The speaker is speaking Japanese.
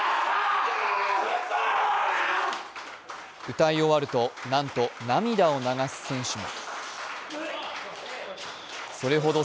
歌い終わると、なんと涙を流す選手も。